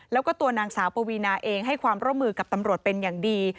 แล้วก็ตัวนางสาวปวีนาเองให้ความร่วมมือกับตำรวจเป็นอย่างดี